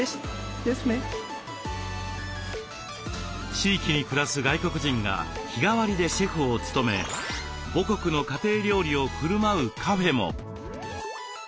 地域に暮らす外国人が日替わりでシェフを務め母国の家庭料理をふるまうカフェも。